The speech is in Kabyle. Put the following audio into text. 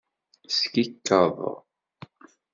Skikeḍ.